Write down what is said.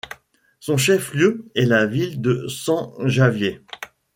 Son chef-lieu est la ville de San Javier.